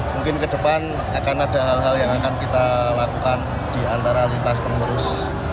mungkin ke depan akan ada hal hal yang akan kita lakukan di antara lintas pengurus